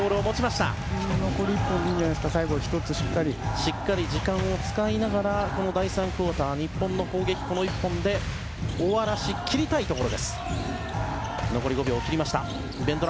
しっかり時間を使いながら第３クオーター、日本の攻撃この１本で終わらし切りたいところ。